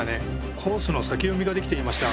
コースの先読みができていました。